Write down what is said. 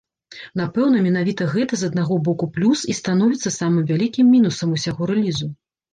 Напэўна, менавіта гэты, з аднаго боку, плюс і становіцца самым вялікім мінусам усяго рэлізу.